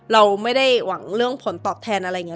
เราไม่ได้หวังเรื่องผลตอบแทนอะไรอย่างนี้